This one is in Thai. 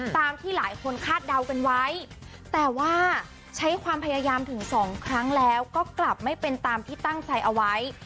ตามที่หลายคนคาดเดากันไว้แต่ว่าใช้ความพยายามถึงสองครั้งแล้วก็กลับไม่เป็นตามที่ตั้งใจเอาไว้